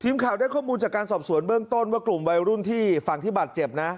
ทีมข่าวได้ข้อมูลจากการสอบสวนเบื้องต้นว่ากลุ่มวัยรุ่นที่ฝั่งที่บาดเจ็บนะ